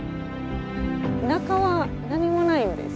中は何もないんですよ。